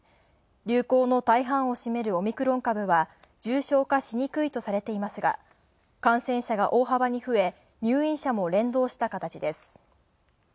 流行の大半を占めるオミクロン株は重症化しにくいとされていますが感染者が大幅に増え、入院者も連動した形です。